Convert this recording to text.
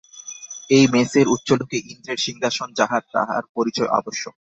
এই মেসের উচ্চলোকে ইন্দ্রের সিংহাসন যাহার তাহার পরিচয় আবশ্যক।